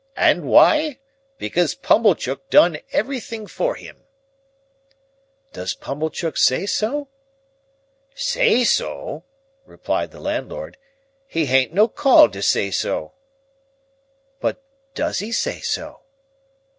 And why? Because Pumblechook done everything for him." "Does Pumblechook say so?" "Say so!" replied the landlord. "He han't no call to say so." "But does he say so?"